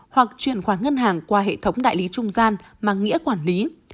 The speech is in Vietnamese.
hoặc chuyển khoản ngân hàng qua hệ thống đại lý trung gian mà nghĩa quản lý